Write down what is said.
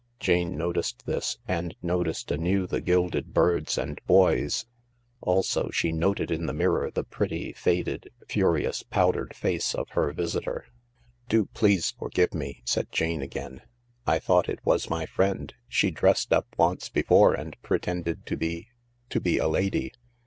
Jane noticed this, and noticed anew the gilded birds and boys ; also she noted in the mirror the pretty, faded, furious, powdered face of her visitor. "Do please forgive me," said Jane again. " I thought it was my friend. She dressed up once before and pretended to be— to be a lady."